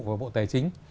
và bộ tài chính